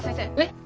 えっ？